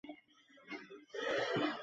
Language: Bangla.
মধুসূদন হতাশ হয়ে বসে পড়ল চৌকিতে।